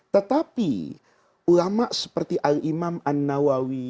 tetapi ulama seperti al imam an nawawi